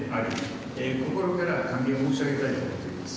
心から歓迎を申し上げたいと思います。